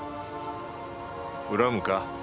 恨むか？